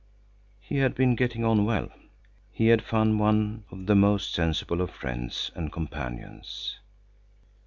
He had been getting on well. He had found one of the most sensible of friends and companions.